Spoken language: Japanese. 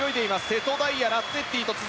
瀬戸大也、ラッツェッティ